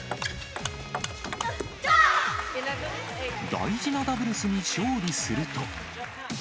大事なダブルスに勝利すると。